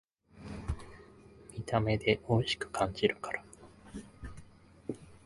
見た目でおいしく感じるから